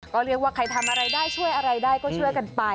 ก็เรียกว่าใครทำอะไรได้ช่วยอะไรได้ก็ช่วยกันไป